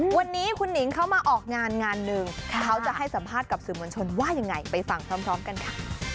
วันนี้คุณหนิงเขามาออกงานงานหนึ่งเขาจะให้สัมภาษณ์กับสื่อมวลชนว่ายังไงไปฟังพร้อมกันค่ะ